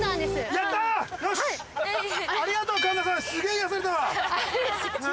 ありがとう。